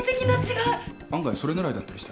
案外それ狙いだったりして。